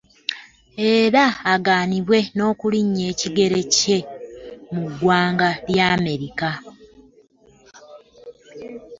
Era agaanibwe n'okulinnya ekigere kye mu ggwanga lya Amerika.